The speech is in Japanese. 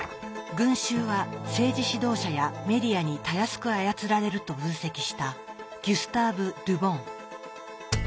群衆は政治指導者やメディアにたやすく操られると分析したギュスターヴ・ル・ボン。